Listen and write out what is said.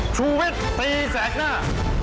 ชุวิตตีแสดหน้า